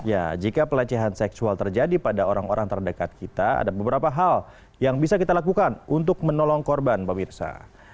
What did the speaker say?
ya jika pelecehan seksual terjadi pada orang orang terdekat kita ada beberapa hal yang bisa kita lakukan untuk menolong korban pak mirsa